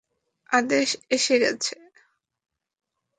আদেশ এসে গেছে।